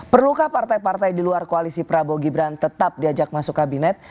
perlukah partai partai di luar koalisi prabowo gibran tetap diajak masuk kabinet